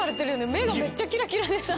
目がめっちゃキラキラでさ。